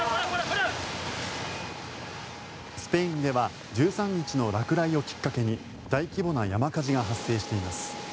スペインでは１３日の落雷をきっかけに大規模な山火事が発生しています。